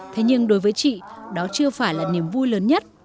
thế nhưng đối với chị đó chưa phải là niềm vui lớn nhất